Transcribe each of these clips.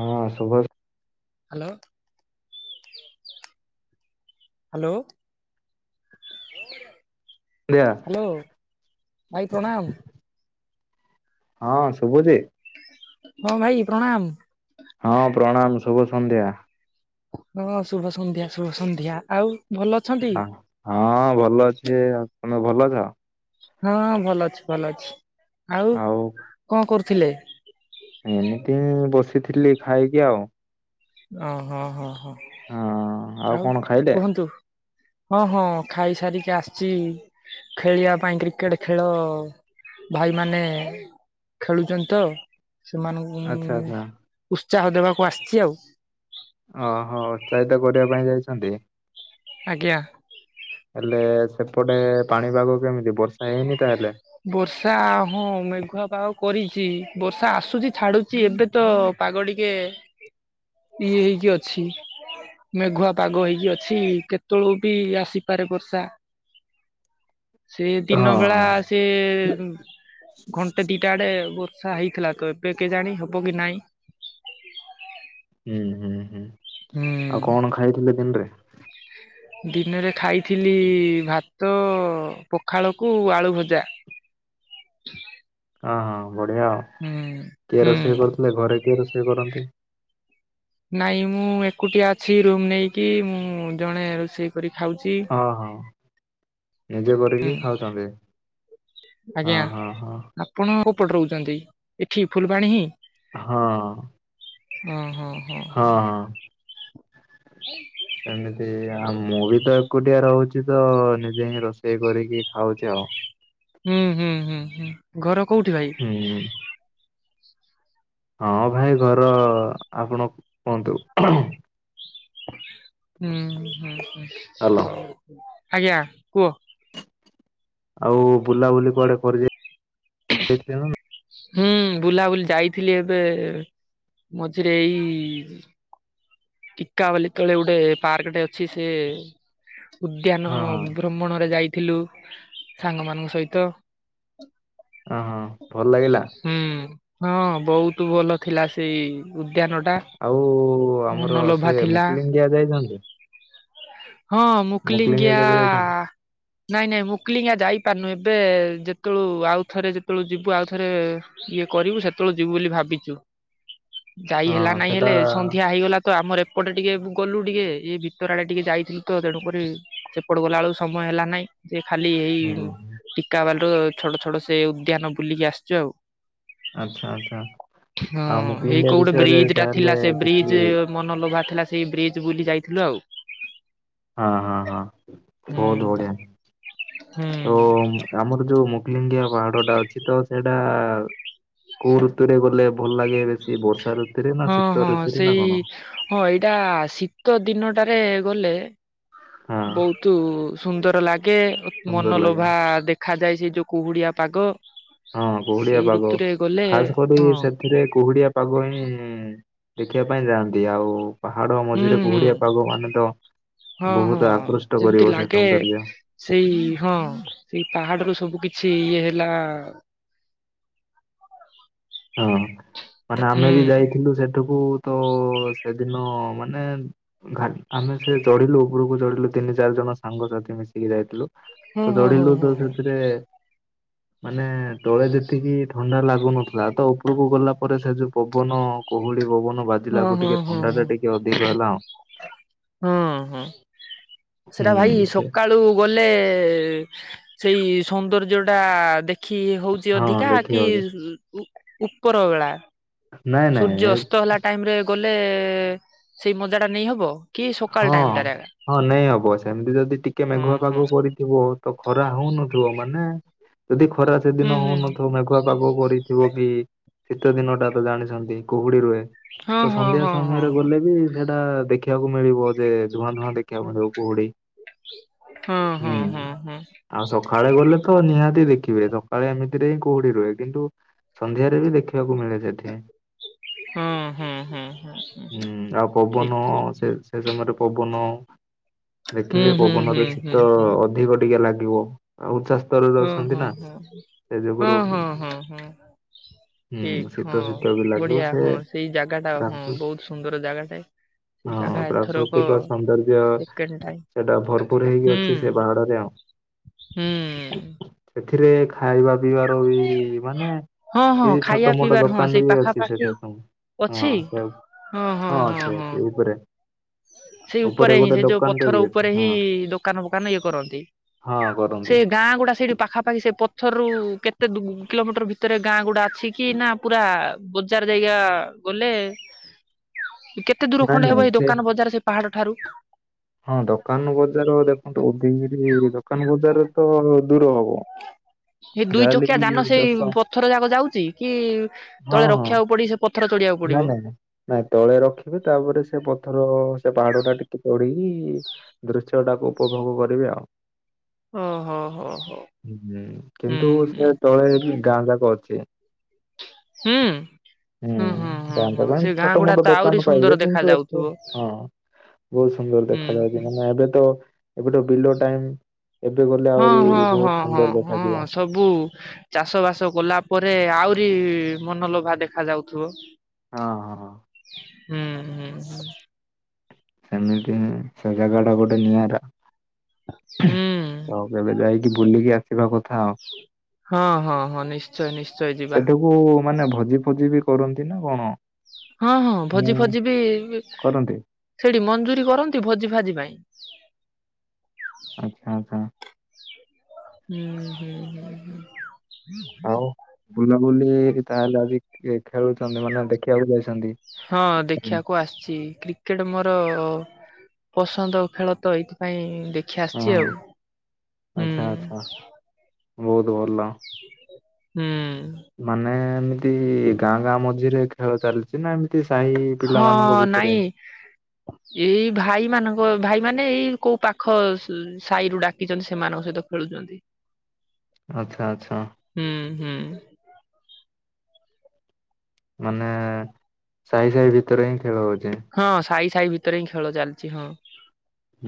ହଁ ଶୁଭ hello. Hello. [unintelligible] Hello ଭାଇ ପ୍ରଣାମ। ହଁ ଶୁଭୁଛି? ହଁ ଭାଇ ପ୍ରଣାମ। ହଁ ପ୍ରଣାମ ଶୁଭ ସନ୍ଧ୍ୟା। ହଁ ଶୁଭ ସନ୍ଧ୍ୟା ଶୁଭ ସନ୍ଧ୍ୟା ଆଉ। ଭଲ ଅଛନ୍ତି? ହଁ ଭଲ ଅଛି। ଆଉ ତମେ ଭଲ ଅଛ? ହଁ ହଁ ଭଲ ଅଛି ଭଲ ଅଛି। ଆଉ କଣ କରୁଥିଲେ? ଏମିତି ବସିଥିଲି ଖାଇକି ଆଉ। ଓଃ ହଁ ହଁ ହଁ ହଁ ଆଉ କଣ ଖାଇଲେ? କୁହନ୍ତୁ। ହଁ ହଁ ଖାଇ ସାରିକି ଆସିଛି ଖେଳିବା ପାଇଁ କ୍ରିକେଟ ଖେଳ ଭାଇମାନେ ଖେଳୁଛନ୍ତି ତ। ସେମାନଙ୍କୁ ମୁଁ ଆଚ୍ଛା ଆଚ୍ଛା ଉତ୍ସାହ ଦେବାକୁ ଆସିଛି ଆଉ। ଓହୋଃ ଉତ୍ସାହିତ କରିବା ପାଇଁ ଯାଇଛନ୍ତି? ଆଜ୍ଞା। ହେଲେ ସେପଟେ ପାଣିପାଗ କେମିତି ବର୍ଷା ହେଇନି ତାହେଲେ? ବର୍ଷା ହଁ ମେଘୁଆ ପାଗ କରିଛି। ବର୍ଷା ଆସୁଛି, ଛାଡୁଛି ଏବେ ତ ପାଗ ଟିକେ ଇଏ ହେଇକି ଅଛି। ମେଘୁଆ ପାଗ ହେଇକି ଅଛି। କେତେବେଳେ ବି ଆସିପାରେ ବର୍ଷା। ସେ ହଁ ଦିନ ବେଳା ହଁ ସେ ଘଣ୍ଟେ ଦିଇଟା ଆଡ଼େ ବର୍ଷା ହେଇଥିଲା। ଏବେ କେଜାଣି ହେବ କି ନାହିଁ। ହୁଁ ହୁଁ ହୁଁ ଆଉ ହୁଁ କଣ ଖାଇଥିଲେ ଦିନରେ? ଦିନରେ ଖାଇଥିଲି ଭାତ। ତ ପଖାଳକୁ ଆଳୁ ଭଜା। ହଁ ହଁ ବଢିଆ ଆଉ ହୁଁ କିଏ ହୁଁ ରୋଷେଇ କରୁଥିଲେ। ଘରେ କିଏ ରୋଷେଇ କରନ୍ତି? ନାଇଁ ମୁଁ ଏକୁଟିଆ ଅଛି ରୁମ ନେଇକି ମୁଁ ଜଣେ ରୋଷେଇ କରି ଖାଉଛି। ହଁ ହଁ ନିଜେ କରିକି ଖାଉଛନ୍ତି ହଁ ଆଜ୍ଞା ହଁ ହଁ। ଆପଣ କେଉପଟେ ରହୁଛନ୍ତି? ଏଠି ଫୁଲବାଣୀ ହିଁ? ହଁ। ହଁ ହଁ ହଁ। ହଁ ହଁ। ହଁ [unintelligible] ସେମିତି ଆ ମୁଁ ବି ତ ଏକୁଟିଆ ରହୁଛି। ତ ନିଜେ ହିଁ ରୋଷେଇ କରିକି ଖାଉଛି ଆଉ। ହୁଁ ହୁଁ ହୁଁ ହୁଁ, ଘର କୋଉଠି ଭାଇ? ହୁଁ। ହଁ ଭାଇ ଘର ଆପଣ କୁହନ୍ତୁ। ହୁଁ ହଁ ହଁ ହ୍ୟାଲୋ ହଉ ଆଜ୍ଞା କୁହ। ଆଉ ବୁଲାବୁଲି କୁଆଡେ କରି ଯାଇଥିଲ। ହୁଁ ବୁଲାବୁଲି ଯାଇଥିଲି ଏବେ ମଝିରେ ଏଇ ଟିକାବାଲି ତଳେ ଗୋଟେ ପାର୍କଟେ ଅଛି ସେ ଉଦ୍ୟାନ ହଁ ହଁ। ଭ୍ରମଣରେ ଯାଇଥିଲୁ ସାଙ୍ଗ ମାନଙ୍କ ସହିତ। ହଁ ହଁ ଭଲ ଲାଗିଲା। ହୁଁ ହଁ ବହୁତ ଭଲ ଥିଲା ସେଇ ଉଦ୍ୟାନ ଟା। ଆଉ ଆମର ମନଲୋଭା ସେ ଥିଲା ମୁକ୍ଲିମ ଦିଆ ଯାଇଛନ୍ତି। ହଁ ମୁକ୍ଲିଙ୍ଗିଆ ମୁକୁଳିଙ୍ଗିଆ କେବେ ଯାଇଛନ୍ତି ନାଇଁ ନାଇଁ ମୁକଲିଙ୍ଗା ଯାଇପାରିନୁ। ଏବେ ଯେତୁ ଆଉ ଥରେ ଯେତେବେଳୁ ଯିବୁ ଆଉ ଥରେ ଇଏ କରିବୁ ସେତେବେଳେ ଯିବୁ ବୋଲି ଭାବିଛୁ। ଯାଇ ହଁ ହେଲା ନାଇଁ ସେଟା ହେଲେ ସନ୍ଧ୍ୟା ହେଇଗଲା। ତ ଆମର ଏପଟେ ଟିକେ ଗଲୁ ଟିକେ ଇଏ ଭିତର ଆଡେ ଟିକେ ଯାଇଥିଲୁ ତେଣୁକରି ସେ ସେପଟକୁ ଗଲା ବେଳକୁ ସମୟ ହେଲା ନାହିଁ। ସେ ଖାଲି ଏଇ ହୁଁ ଟିକାବାଟ। ଛୋଟ ଛୋଟ ସେ ଉଦ୍ୟାନ ବୁଲିକି ଆସିଛ ଆଉ। ଆଚ୍ଛା ଆଚ୍ଛା ହଁ ଆଉ ସେଇ ମୁକ୍ଲିଙ୍ଗିଆ କୋଉ ଗୋଟେ ବିଷୟରେ ବ୍ରିଜ ଟା ଥିଲା ତାହେଲେ ସେ ବ୍ରିଜ କିଛି ମନଲୋଭା ଥିଲା ସେଇ ବ୍ରିଜ ବୁଲି ଯାଇଥିଲୁ ଆଉ। ହଁ ହଁ ହଁ ହୁଁ ବହୁତ ବଢିଆ ହୁଁ ତ ଆମର ଯୋଉ ମୁ ଇଣ୍ଡିଆ ପାହାଡଟା ଗୋଟେ ଅଛି ତ ସେଇଟା କୋଉ ଋତୁରେ ଗଲେ ଭଲ ଲାଗେ ବେଶୀ ବର୍ଷା ଋ ହଁ ହଁ ସେଇ ହଁ ଏଇଟା ଶୀତ ଦିନଟାରେ ଗଲେ ହଁ ବହୁତ ସୁନ୍ଦର ଲାଗେ ଅ ସୁନ୍ଦର ଲାଗେ ମନଲୋଭା ଦେଖାାଯାଏ ସେ ଯୋଉ କୁହୁଡିଆ ପାଗ। ହଁ କୁହୁଡିଆ ସେଇ ପାଗ ଋତୁରେ ଗଲେ ଖାସ କରି ହଁ ସେ ଏଥିରେ କୁହୁଡିଆ ପାଗ ହିଁ ଦେଖିବା ପାଇଁ ଯାଆନ୍ତି। ଆଉ ପାହାଡ ହୁଁ ମଝିରେ ହୁଁ କୁହୁଡିଆ ପାଗ ମାନେ ତ ହଁ ହଁ ବହୁତ ଆକୃଷ୍ଟ ଯେମିତି କରିବ ସେ ଲାଗେ ସୌନ୍ଦର୍ଯ୍ୟ। ସେଇ ହଁ ସେଇ ପାହାଡରୁ ସବୁ କିଛି ଇଏ ହେଲା ହ [inaudible] ହଁ ମାନେ ଆମେ ବି ଯାଇଥିଲୁ ସେଠକୁ ତ ସେଦିନ ମାନେ ଘା ଆମେ ସେ ଚଢିଲୁ ଉପରକୁ ଚଢିଲୁ ତିନି ଚାରି ଜଣ ସାଙ୍ଗସାଥି ମିଶିକି ଯାଇଥିଲୁ। ହଁ ତ ହଁ ହଁ ଚଢିଲୁ ହଁ ତ ହଁ। ସେଥିରେ ମାନେ ତଳେ ଯେତିକି ଥଣ୍ଡା ଲାଗୁନ ଥିଲା ତ, ଉପରକୁ ଗଲା ପରେ ସେ ଯୋଉ ପବନ କୁହୁଳି ପବନ ବା ହଁ ହୁଁ ହୁଁ ହଁ ହୁଁ ହଁ। ସେଟା ଭାଇ ହୁଁ ସକାଳୁ ବୋଲେ ସେଇ ସୌନ୍ଦର୍ଯ୍ୟ ଟା ଦେଖି ହଉ ଚି ହଁ ଅଧିକା କି ଦେଖିହଉଛି ଉ- ଉପର ବେଳା ନାଇଁ ସୂର୍ଯ୍ୟ ନାଇଁ ଅସ୍ତ ହେଲା ଟାଇମ୍ ରେ ଗଲେ ସେଇ ମଜା ଟା ନେଇ ହବ। କି ସକାଳ ଟାଇମ ହଁ- ଟାରେ ଆକା। ହଁ ନେଇହବ ସେମିତି ଯଦି ଟିକେ ହୁଁ ମେଘୁଆ ପାଗ ହୁଁ କରି ଥିବ ତ ଖରା ହଉନଥିବ ମାନେ ଯଦି ଖରା ହୁଁ ସେଦିନ ହୁଁ ହଉନଥିବ ମେଘ ଘୁଆ ପାଗ କରିଥିବ କି ଶୀତ ଦିନ ଟା ତ ଜାଣିଚନ୍ତି କୁହୁଡି ରୁହେ। ହଁ ତ ହଁ ସନ୍ଧ୍ୟା ହଁ ସମୟରେ ଗଲେ ହଁ ବି ସେଟା ଦେଖିବାକୁ ମିଳିବ ଯେ ଧୂଆଁ ଧୂଆଁ ଦେଖିବାକୁ ମିଳିବ କୁହୁଡି। ହଁ -ହଁ ହୁଁ -ହଁ- ହଁ। ଆଉ ସକାଳେ ଗଲେ ତ ନିହାତି ଦେଖିବେ ସକାଳେ ଏମିତିରେ ହିଁ କୁହୁଡ଼ି ରୁହେ- କିନ୍ତୁ ସନ୍ଧ୍ୟାରେ ବି ଦେଖିବାକୁ ମିଳେ ସେଠି। ହଁ ହଁ ହଁ ହଁ ହଁ ହଁ ହଁ ହୁଁ ଆଉ ଠିକ୍ ପବନ ଠିକ୍ ଠିକ୍ ସେଇ ସମୟରେ ପବନ ହୁଁ ଦେଖିବେ ହୁଁ ହୁଁ ପବନରେ ହୁଁ ଶୀତ ହୁଁ ଅଧିକ ଟିକେ ଲାଗିବ ଆଉ ଚା ହଁ- ହଁ -ହଁ -ହଁ -ହଁ ହୁଁ -ହଁ- ହଁ- ହୁଁ। ଠିକ୍ ଶୀତ ହଁ ଶୀତ ବି ଲାଗିବ ବଢିଆ ସେ ହଁ ସେଇ ଜାଗା ଟା ହଁ ପ୍ରାକୃ ବହୁତ୍ ସୁନ୍ଦର ଜାଗା ସେ। ହଁ ଜାଗା ଏଥରକ ପ୍ରାକୃତିକ ସୌନ୍ଦର୍ଯ୍ୟ ସେକେଣ୍ଡ ଟାଇମ୍ ସେଟା ଭରପୁର୍ ହେଇକି ହୁଁ ଅଛି ସେ ପାହାଡରେ ଆଉ। ହୁଁ। ଏଥିରେ ଖାଇବା ପିଇବାର ବି ମାନେ ହଁ ହଁ କିଛି ଖାଇବା ଛୋଟ ମୋଟ ପିଇବାର ହଁ ସେଇ ଦୋକାନ ବି ଅଛି ପାଖାପାଖି ସେଠେ ସବୁ। ଅଛି ହଁ- ସେ-ଉ ହଁ ହଁ ହଁ -ହଁ-ସେ ହଁ ଅଛି ଉପରେ। ସେଇ ଉପରେ ହିଁ ଗୋଟେ ସେ ଯଉ ଦୋକାନଟେ ବି ପଥର ଅଛି ଉପରେ ହଁ ହିଁ ଦୋକାନ ଫୋକାନ ଇଏ କରନ୍ତି। ହଁ ସେ କରନ୍ତି। ଗାଁ ଗୁଡ଼ା ସେଇଠି ପାଖାପାଖି ସେ ପଥରରୁ କେତେ ଦୂ- କିଲୋମିଟର ଭିତରେ ଗାଁ ଗୁଡ଼ା ଅଛି କି ନା ପୁରା ବଜାର୍ ଯାଇ କା ଗଲେ କେ କେତେ ନାଇଁ ଦୂରଖଣ୍ଡେ ହେବ ନାଇଁ ଏଇ ସେ ଦୋକାନ ବଜାର ସେଇ ପାହାଡ଼ ଠାରୁ? ହଁ ଦୋକାନ ବଜାର ଦେଖନ୍ତୁ [unintelligible] ଦୋକାନ ବଜାରରେ ତ ଦୂର ହବ। ଏ ଦୁଇ ଯାହାହେଲେ ଚକିଆ ବି ଯାନ ସେଇ ଦଶ ପଥର ଯାକ ଯାଉଚି କି ତଳେ ରଖିବାକୁ ପଡିି ସେ ପଥର ଚଢିବା ନା- ନା -ନା। ନାଇଁ ତଳେ ରଖିବେ ତାପରେ ସେ ପଥର ସେ ପାହାଡ ଟା ଟିକେ ଚଢ଼ିକି ଦୃଶ୍ୟଟା କୁ ଉପଭୋଗ କରିବି ଆଉ। ଓହୋ ହୋ ହୋ ହୁଁ- ହୁଁ କିନ୍ତୁ ହୁଁ ସେ ତଳେ ବି ଗାଁ ଯାକ ଅଛି। ହୁଁ -ହଁ -ହଁ। [unintelligible] ପାଇଁ ସେ ଗାଁ ଛୋଟ ଗୁଡା ମୋଟ ତ ଆହୁରି ଦୋକାନ ସୁନ୍ଦର ପାଇବେ ଦେଖା କିନ୍ତୁ ଏତେ ଯାଉଥିବ -ହଁ। ବହୁତ୍ ସୁନ୍ଦର ହୁଁ ଦେଖା ଯାଉଚି ହୁଁ ମାନେ ଏବେ ତ ଏବେ ତ ବିଲ ଟାଇମ୍ ଏବେ ଗଲେ ଆହୁରି ବହୁତ୍ ସୁନ୍ଦର ଦେଖାଯିବ। ବୁ ଚାଷ ବାସ କଲା ପରେ ଆହୁରି ମନଲୋଭା ଦେଖା ଯାଉଥିବ। ହଁ ହଁ ହୁଁ -ହୁଁ। ସେମିତି ହିଁ ସେ ଜାଗାଟା ଗୋଟେ ନିଆରା। ହୁଁ ଆଉ କେବେ ଯାଇକି ବୁଲିକି ଆସିବା କଥା ଆଉ। ହଁ- ହଁ- ହଁ ନିଶ୍ଚୟ -ନିଶ୍ଚୟ ଯିବା। ସେଠାକୁ ମାନେ ଭୋଜି ବି କରନ୍ତି ନା କଣ? ହଁ -ହଁ ଭୋଜି ହୁଁ। ଫୋଜି ବି କରନ୍ତି ସେଠି ମଞ୍ଜୁରୀ କରନ୍ତି ଭୋଜି ଫାଜି ପାଇଁ? ଆଚ୍ଛା -ଆଚ୍ଛା। ହୁଁ- ହୁଁ। ଆଉ ବୁଲାବୁଲି ତାହେଲେ ଆଜି ଖେଳୁଛନ୍ତି ମାନେ ଦେଖିବାକୁ ଯାଇଛନ୍ତି। ହଁ ହୁଁ। ଦେଖିବାକୁ ଆସିଛି। କ୍ରିକେଟ ମୋର ପସନ୍ଦ ଖେଳ ତ ଏଇଥିପାଇଁ ଦେଖ ଦେଖି ହଁ ଆସିଛି ଆଉ ହୁଁ ବହୁତ୍ ଭଲ ହୁଁ। ମାନେ ଏମିତି ଗାଁ ଗାଁ ମଝିରେ ଖେଳ ଚାଲିଛି ସିନା ଏମିତି ସାହି ପିଲାମାନଙ୍କ ହଁ ଭିତରେ [inaudible] ଏଇ ଭାଇମାନାନଙ୍କ ଭାଇମାନେ ଏଇ କୋଉ ପାଖ ସାହିରୁ ଡାକିଛନ୍ତି ସେମାନଙ୍କ ସହିତ ଖେଳୁଛନ୍ତି। ଆଛା ଆଛା ହୁଁ ହୁଁ। ମାନେ ସାହି ସାହି ଭିତରେ ହିଁ ଖେଳ ହଉଛି। ହଁ ସାହି ସାହି ଭିତରେ ହିଁ ଖେଳ ଚାଲିଛି ହଁ।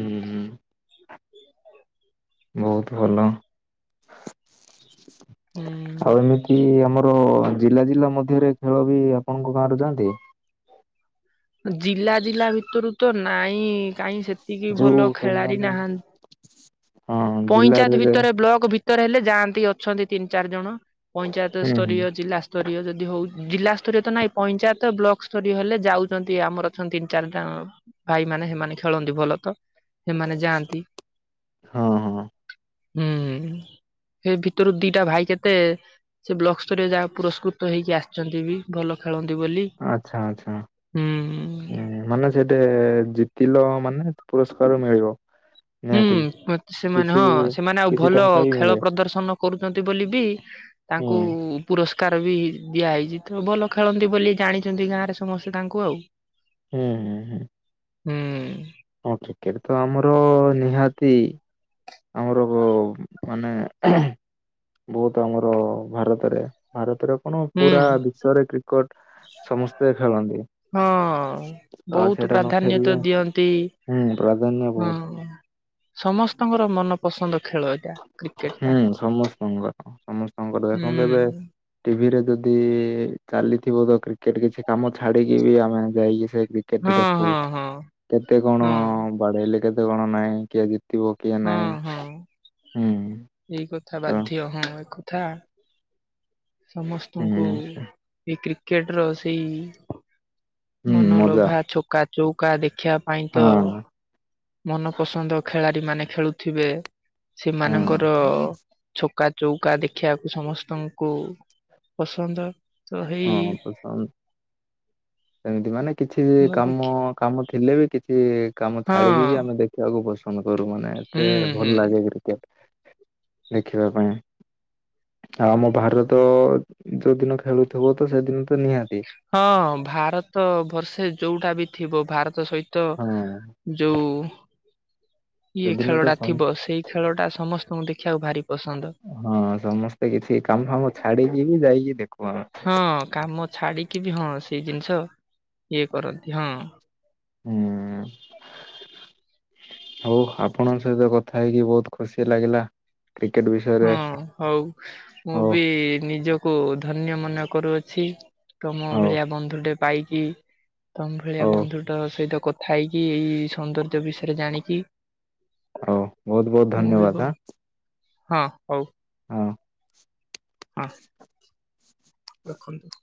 ହୁଁ ହୁଁ। ବହୁତ୍ ଭଲ ହୁଁ। ଆଉ ଏମିତି କି ଆମର ଜିଲ୍ଲା ଜିଲ୍ଲା ମଧ୍ୟରେ ଖେଳ ବି ଆପଣଙ୍କ ଗାଁରୁ ଯାଆନ୍ତି। ଜିଲ୍ଲା ଜିଲ୍ଲା ଭିତରୁ ତ ନାଇଁ କାଇହିଁ ସେତିକି ଯୋଉ ଭଲ ଖେଳାଳି ଟୁର୍ଣ୍ଣାମେଣ୍ଟ ନାହାଁନ୍ତି। ହଁ ଜିଲ୍ଲାରେ ପଞ୍ଚାୟତ ହୁଁ ଭିତରେ ବ୍ଲକ ଭିତ ତର ହେଲେ ଯାଆନ୍ତି ଅଛନ୍ତି ତିନି ଚାରି ଜଣ ପଞ୍ଚାୟତ ହୁଁ ସ୍ତରୀୟ ଜିଲ୍ଲା ସ୍ତରୀୟ ଯଦି ହଉ ଜିଲ୍ଲା ସ୍ତରୀୟ ତ ନାଇଁ ପଞ୍ଚାୟତ ବ୍ଲକ ସ୍ତରୀୟ ହେଲେ ଯାଉଛନ୍ତି ଆମର ଅଛନ୍ତି ତିନି ଚାରି ଜ ଭାଇମାନେ ସେମାନେ ଖେଳନ୍ତି ଭଲ ତ ହେମାନେ ଯାଆନ୍ତି। ହଁ ହଁ। ହୁଁ ସେ ଭିତରୁ ଦିଟା ଭାଇ କେତେ ସେ ବ୍ଲକ ସ୍ତରରେ ଯାହା ପୁରସ୍କୃତ ହେଇକି ଆସିଛନ୍ତି ବି ଭଲ ଖେଳନ୍ତି ବୋଲି। ଆଛା ଆଛା ହୁଁ ମାନେ ସେଠେ ଜିତିଲ ମାନେ ପୁରସ୍କାର ମିଳିବ। ହୁଁ ନିହାତି ମେ ସେମାନେ କିଛି ହଁ ସେମାନେ ଆଉ କିଛି ଭଲ ଟଙ୍କା ବି ଖେଳ ମିଳେ ପ୍ରଦର୍ଶନ କରୁଛନ୍ତି ବୋଲି ବି ହୁଁ ତାଙ୍କୁ ପୁରସ୍କାର ବି ଦିଆହେଇଛି ତ ଭଲ ଖେଳନ୍ତି ବୋଲି ଜାଣିଛନ୍ତି ଗାଁରେ ସମସ୍ତେ ତାଙ୍କୁ ଆଉ ହୁଁ ହୁଁ। ହୁଁ। ହଁ କ୍ରିକେଟ ତ ଆମର ନିହାତି ଆମର ମାନେ ବହୁତ ଆମର ଭାରତରେ ଭାରତରେ କଣ ହୁଁ ପୁରା ବିଶ୍ୱରେ କ୍ରିକେଟ ସମସ୍ତେ ଖେଳନ୍ତି। ହଁ ଆଉ ବହୁତ ସେଇଟା ନ ପ୍ରାଧାନ୍ୟ ଖେଳିଲେ ତ ଦିଅନ୍ତି। ହୁଁ ପ୍ରାଧାନ୍ୟ ବହୁତ। ହଁ ସମସ୍ତଙ୍କର ମନପସନ୍ଦ ଖେଳ। ଏଇଟା କ୍ରିକେଟ ଟା ହୁଁ ସମସ୍ତଙ୍କର ସମସ୍ତଙ୍କର ଦେଖନ୍ତୁ ଏବେ। ହୁଁ ଟିଭିରେ ଯଦି ଚାଲିଥିବ ତ କ୍ରିକେଟ କିଛି କାମ ଛାଡିକି ବି ଆମେ ଯାଇକି ସେ କେତେ ହଁ ଦେଖୁ ହଁ ହଁ କେତେ କଣ ହଁ ବାଡେଇଲେ କେତେ କଣ ନାହିଁ କି ଆଜି ପିବ କିଆ ହଁ ନାଇଁ ହଁ ହୁଁ। ଏଇ କଥା ତ ବାଧ୍ୟ ହଁ ଏକଥା। ସମସ୍ତଙ୍କୁ ହୁଁ ଏ କ୍ରିକେଟ ର ସେଇ ହୁଁ ମନ ମଜା ଲୋଭା ଛକା ଚୌକା ଦେଖିବା ପାଇଁ ହଁ ତ ମନ ପସନ୍ଦ ଖେଳାଳି ମାନେ ଖେଳୁଥିବେ ହଁ। ସେମାନଙ୍କର ଛକା ଚୌକା ଦେଖିବାକୁ ସମସ୍ତଙ୍କୁ ପସନ୍ଦ ତ ହେଇ [unintelligible] ସେମିତି ମାନେ କିଛି ଖେଳ କାମ ଦେଖି କାମ ଥିଲେ ବି କିଛି କାମ ହଁ ଛାଡିକି ବି ଆମେ ଦେଖ ଦେଖିବାକୁ ପସନ୍ଦ କରୁ ମାନେ ଏତେ ହୁଁ ହୁଁ ଭଲ ଲାଗେ କ୍ରିକେଟ। ଦେଖିବା ପାଇଁ ଆଉ ଆମ ଭାରତ ଯୋଉଦିନ ଖେଳୁଛି। ଥିବ ତ ସେଦିନ ତ ନିହାତି। ହଁ ଭାରତ ବର୍ଷେ ଯୋଉଟା ବି ଥିବ ଭାରତ ସହିତ। ହଁ ଯୋଉ ଇଏ ସେଦିନ ଖେଳ ତ ଟା ସମ ଥିବ ସେଇ। ଖେଳ ଟା ସମସ୍ତଙ୍କୁ ଦେଖିବାକୁ ଭାରି ପସନ୍ଦ। ହଁ ସମସ୍ତେ କିଛି କାମ ଫାମ ଛାଡିକି ବି ଯାଇକି ଦେଖ ହଁ କାମ ଛାଡିକି ବି ହଁ ସେଇ ଜିନିଷ ଇଏ କରନ୍ତି ହଁ। ହୁଁ। ହଉ ଆପଣଙ୍କ ସହିତ କଥା ହେଇକି ବହୁତ ଖୁସି ଲାଗିଲା। କ୍ରିକେଟ ବିଷୟ। ହଁ ହଉ ମୁଁ ବି ନିଜକୁ ଧନ୍ୟ ମନେ କରୁଅଛି। ତମ ହଉ ଭଳିଆ ବନ୍ଧୁଟେ ପାଇକି ତମ ଭଳିଆ ହଉ ବନ୍ଧୁଟ ସହିତ କଥା ଖାଇକି ଏଇ ସୌନ୍ଦର୍ଯ୍ୟ ବିଷୟରେ ଜାଣିକି। ହଉ ବହୁତ ବହୁତ ମୁଁ ବି ବହୁ ଧନ୍ୟବାଦ ଆଁ। ହଁ ହଉ। ହଁ। ହଁ ରଖନ୍ତୁ।